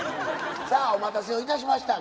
さあお待たせをいたしました。